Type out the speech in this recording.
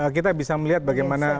kita bisa melihat bagaimana